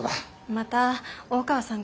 また大川さん